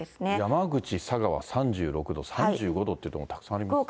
山口、佐賀は３６度、３５度という所もたくさんありますね。